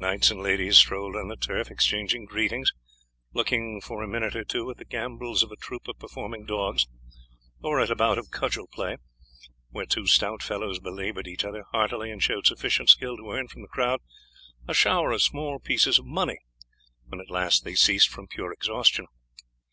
Knights and ladies strolled on the turf exchanging greetings, looking for a minute or two at the gambols of a troupe of performing dogs, or at a bout of cudgel play where two stout fellows belaboured each other heartily, and showed sufficient skill to earn from the crowd a shower of small pieces of money, when at last they ceased from pure exhaustion.